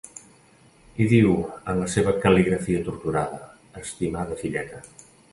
Hi diu, en la seva cal·ligrafia torturada: «Estimada filleta.